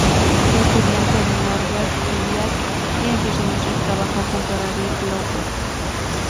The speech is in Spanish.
Fue estudiante de Norbert Elias y en sus inicios trabajó junto a David Lockwood.